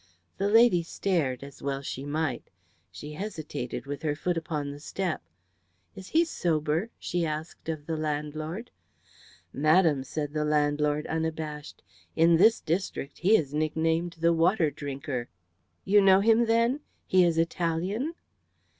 The lady stared, as she well might. She hesitated with her foot upon the step. "Is he sober?" she asked of the landlord. "Madam," said the landlord, unabashed, "in this district he is nicknamed the water drinker." "You know him, then? He is Italian?"